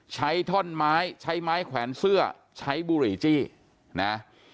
ท่อนไม้ใช้ไม้แขวนเสื้อใช้บุหรี่จี้นะ